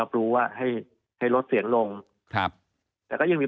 หรือที่สำนักนายยกต่ออีก